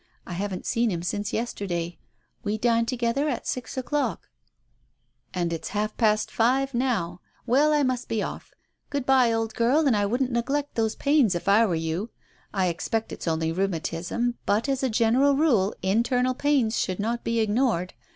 I haven't seen him since yesterday. We dine together at six o'clock !" "And it's half past five now. Well, I must be off. Good bye, old girl, and I wouldn't neglect those pains if I were you. I expect it's only rheumatism, but as a general rule internal pains should not be ignored.